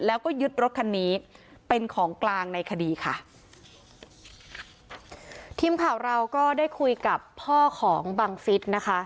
แล้วก็ยึดรถคันนี้เป็นของกลางในคดีค่ะทีมข่าวเราก็ได้คุยกับพ่อของบังฟิศนะคะ